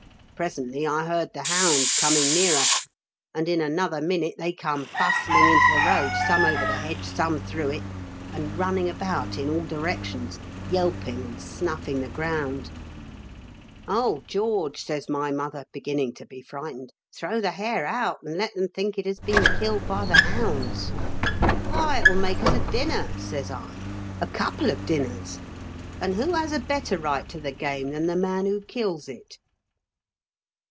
Presently I heard the hounds coming nearer, and in another minute they come bustling into the road, some over the hedge, some through it, and running about in all directions, yelping and snuffing theground. f 126 m KENT WITH CHABLE8 DICKENS. "' Oh, Greorge !* says my mother, begin ning to be frightened, ' Throw the hare out, and let *em think it has been killed by the hounds/ "' Why, it will make us a dinner !' says I —' a couple of dinners ! And who has a better right to the game than the man who kills it?'